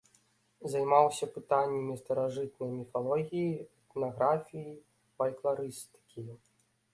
Займаўся пытаннямі старажытнай міфалогіі, этнаграфіі, фалькларыстыкі.